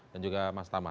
dan juga mas tama